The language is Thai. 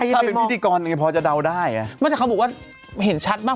เออถ้าเป็นพี่ธิกรหนึ่งงั้นพอจะได้มันจะเขาบอกว่าเห็นชัดมาก